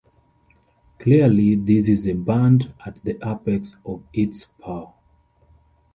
Clearly this is a band at the apex of its power.